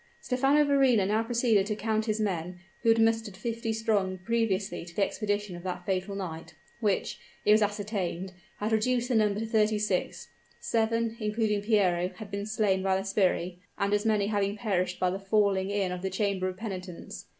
Stephano Verrina now proceeded to count his men, who had mustered fifty strong previously to the expedition of that fatal night, which, it was ascertained, had reduced the number to thirty six seven, including Piero, having been slain by the sbirri, and as many having perished by the falling in of the chamber of penitence.